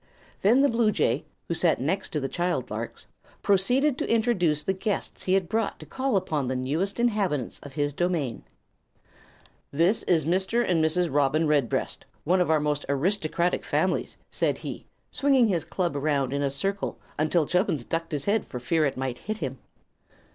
Then the bluejay, who sat next to the child larks, proceeded to introduce the guests he had brought to call upon the newest inhabitants of his domain. "This is Mr. and Mrs. Robin Redbreast, one of our most aristocratic families," said he, swinging his club around in a circle until Chubbins ducked his head for fear it might hit him.